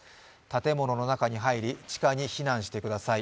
建物の中に入り、地下に避難してください。